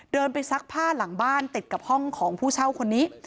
เดินไปซักผ้าหลังบ้านติดกับห้องของผู้เช่าคนนี้